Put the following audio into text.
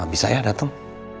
bisa ya dateng